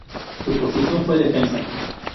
Su posición fue defensa.